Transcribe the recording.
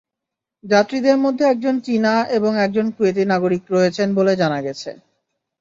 যাত্রীদের মধ্যে একজন চীনা এবং একজন কুয়েতি নাগরিক রয়েছেন বলে জানা গেছে।